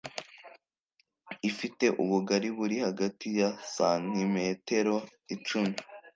ifite ubugari buli hagati ya santimetero icumi